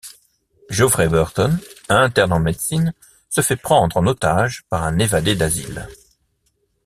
Geoffrey Burton, interne en médecine, se fait prendre en otage par un évadé d'asile.